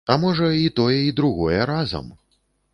А можа, і тое і другое разам.